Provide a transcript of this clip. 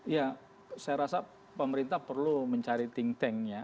ya saya rasa pemerintah perlu mencari think tank ya